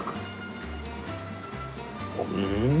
うん！